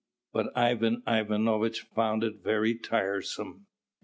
But Ivan Ivanovitch found it very tiresome.